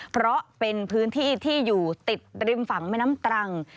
เพราะเป็นพื้นที่ที่อยู่ติดริมฝั่งแม่น้ำตรัง